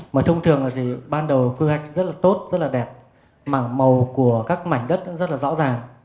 mà thông thường là ban đầu quy hoạch rất là tốt rất là đẹp mảng màu của các mảnh đất rất là rõ ràng